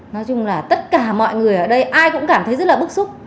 nói chung là tất cả mọi người ở đây ai cũng cảm thấy rất là bức xúc